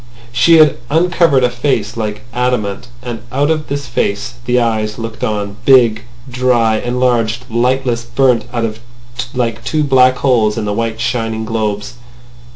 She had uncovered a face like adamant. And out of this face the eyes looked on, big, dry, enlarged, lightless, burnt out like two black holes in the white, shining globes.